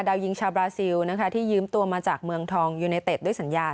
ยิงชาวบราซิลนะคะที่ยืมตัวมาจากเมืองทองยูเนเต็ดด้วยสัญญา